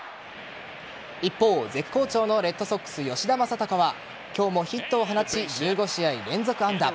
一方絶好調のレッドソックス吉田正尚は今日もヒットを放ち１５試合連続安打。